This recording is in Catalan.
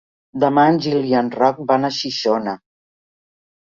Demà en Gil i en Roc van a Xixona.